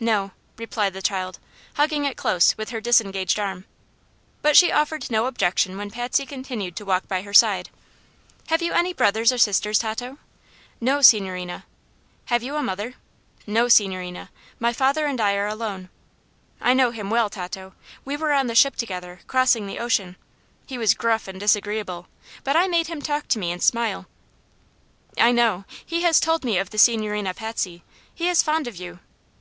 "No," replied the child, hugging it close with her disengaged arm. But she offered no objection when Patsy continued to walk by her side. "Have you any brothers or sisters, Tato?" "No, signorina." "Have you a mother?" "No, signorina. My father and I are alone." "I know him well, Tato. We were on the ship together, crossing the ocean. He was gruff and disagreeable, but I made him talk to me and smile." "I know; he has told me of the Signorina Patsy. He is fond of you."